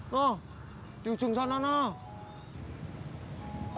nih di ujung sana nih